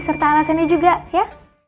serta alasannya juga ya